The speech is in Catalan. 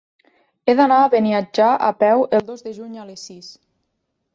He d'anar a Beniatjar a peu el dos de juny a les sis.